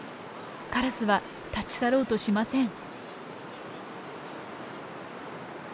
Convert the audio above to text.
カラスは立ち去ろうとしません。